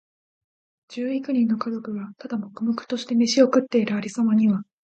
十幾人の家族が、ただ黙々としてめしを食っている有様には、